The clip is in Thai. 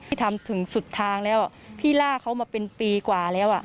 ทำถึงสุดทางแล้วพี่ล่าเขามาเป็นปีกว่าแล้วอ่ะ